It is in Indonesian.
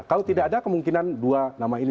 kalau tidak ada kemungkinan dua nama ini